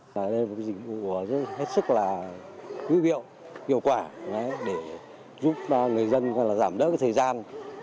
đây là một dịch vụ rất là nguy hiệu hiệu quả để giúp người dân giảm đỡ thời gian